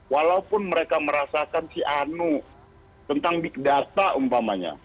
walaupun mereka merasakan si anu tentang big data umpamanya